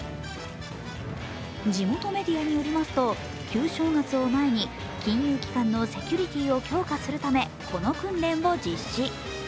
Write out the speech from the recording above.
地元メディアによりますと、旧正月を前に金融機関のセキュリティーを強化するためこの訓練を実施。